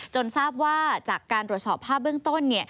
ทราบว่าจากการตรวจสอบภาพเบื้องต้น